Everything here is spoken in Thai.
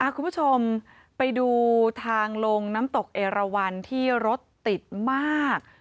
คุณผู้ชมไปดูทางลงน้ำตกเอราวันที่รถติดมาก